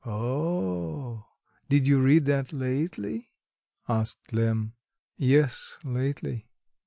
"O oh, did you read that lately?" asked Lemm. "Yes, lately."